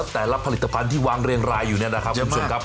แต่ลับผลิตภัณฑ์ที่วางเรียงรายอยู่นะครับคุณช่วยครับ